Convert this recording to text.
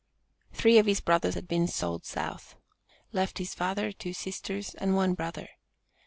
Three of his brothers had been sold South. Left his father, two sisters and one brother.